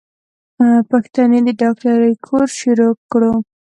پښتنې د ډاکټرۍ کورس شروع کړو.